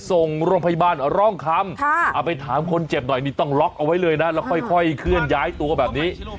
ส่งโรงพยาบาลร่องคำเอาไปถามคนเจ็บหน่อยนี่ต้องล็อกเอาไว้เลยนะแล้วค่อยเคลื่อนย้ายตัวแบบนี้